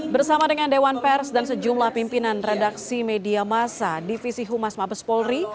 bersama dengan dewan pers dan sejumlah pimpinan redaksi media masa divisi humas mabes polri